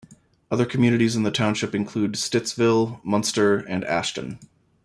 Other communities in the township include Stittsville, Munster, and Ashton.